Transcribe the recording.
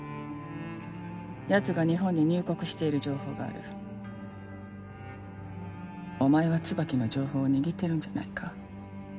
やつが日本に入国している情報があるお前はツバキの情報を握っているんじゃないか？